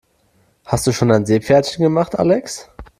Hast du schon dein Seepferdchen gemacht, Alex?